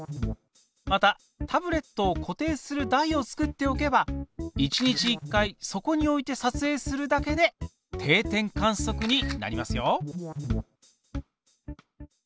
またタブレットを固定する台を作っておけば１日１回そこに置いてさつえいするだけで定点観測になりますよ！